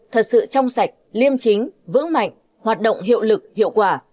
thật sự trong sạch liêm chính vững mạnh hoạt động hiệu lực hiệu quả